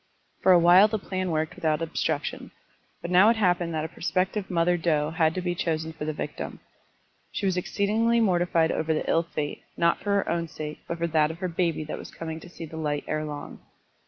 For a while the plan worked without obstruc tion, but now it happened that a prospective mother doe had to be chosen for the victim. She was exceedingly mortified over the ill fate, not for her own sake, but for that of her baby that was coming to see the light ere long.